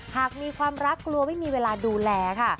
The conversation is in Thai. หากมีความรักกลัวไม่มีเวลาดูแลค่ะ